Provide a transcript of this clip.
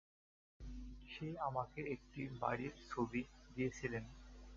সে আমাকে একটি বাড়ির ছবি দিয়েছিলেন।